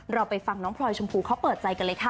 เราไปฟังน้องพลอยชมพูเขาเปิดใจกันเลยค่ะ